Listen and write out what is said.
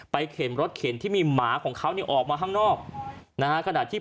ไปเข็นรถเข็นที่มีหมาของเขาออกมาห้างนอก